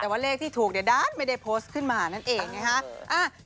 แต่ว่าเลขที่ถูกเนี้ยไม่ได้ขึ้นมานะเองนะคะอ้าว